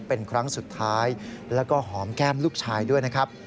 เป็นครั้งสุดท้ายแล้วก็หอมแก้มลูกชายด้วยนะครับ